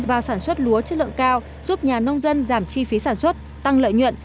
vào sản xuất lúa chất lượng cao giúp nhà nông dân giảm chi phí sản xuất tăng lợi nhuận